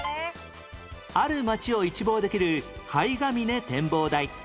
ある街を一望できる灰ヶ峰展望台